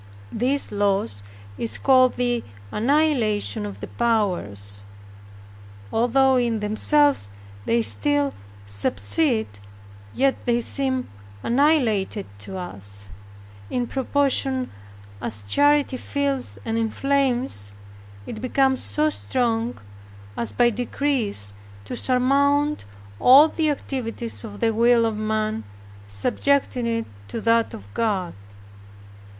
This loss is called the annihilation of the powers. Although in themselves they still subsist, yet they seem annihilated to us, in proportion as charity fills and inflames; it becomes so strong, as by degrees to surmount all the activities of the will of man, subjecting it to that of God.